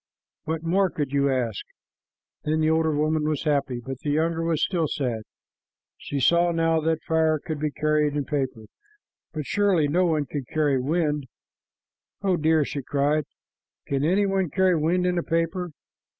What more could you ask?" Then the older woman was happy, but the younger was still sad. She saw now that fire could be carried in paper, but surely no one could carry wind. "O dear voice," she cried, "can any one carry wind in paper?"